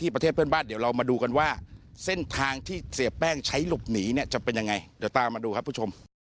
เป็นทางที่เสียแป้งใช้หลบหนีเนี่ยจะเป็นยังไงเดี๋ยวตามมาดูครับผู้ชม